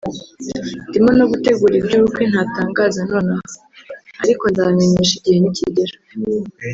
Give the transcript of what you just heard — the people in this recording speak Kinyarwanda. ndimo no gutegura iby’ubukwe ntatangaza none aha ariko nzabamenyesha igihe nikigera